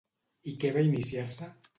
I què va iniciar-se?